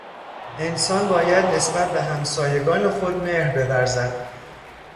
انسان باید نسبت به همسایگان خود مهر بورزد.